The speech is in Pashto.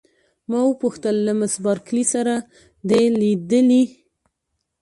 ما وپوښتل: له مس بارکلي سره دي لیدلي؟